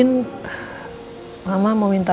mama tadi cuma mimpi deh